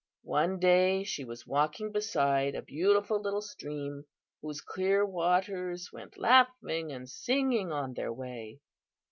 One day she was walking beside a beautiful little stream, whose clear waters went laughing and singing on their way.